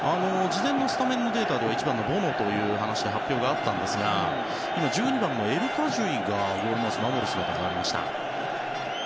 事前のスタメンのデータでは１番のボノという発表があったんですが１２番のエルカジュイが入っています。